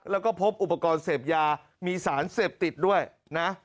แล้วก็พบอุปกรณ์เสพยามีสารเสพติดด้วยนะ